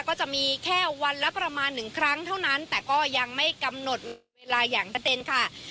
ก็จะมีแค่วันละประมาณหนึ่งครั้งเท่านั้นแต่ก็ยังไม่กำหนดเวลาอย่างกระเด็นค่ะ